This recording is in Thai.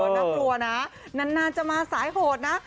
น่ากลัวนะนานจะมาสายโหดนะ